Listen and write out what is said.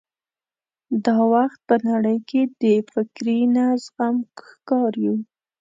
دا وخت په نړۍ کې د فکري نه زغم ښکار یو.